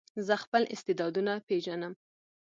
زه خپل استعدادونه پېژنم.